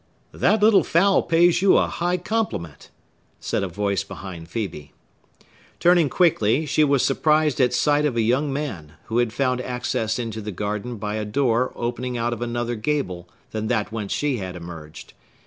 "That little fowl pays you a high compliment!" said a voice behind Phœbe. Turning quickly, she was surprised at sight of a young man, who had found access into the garden by a door opening out of another gable than that whence she had emerged.